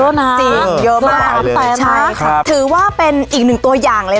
เยอะนะจริงเยอะมากไม่ตายเลยใช่ถือว่าเป็นอีกหนึ่งตัวอย่างเลย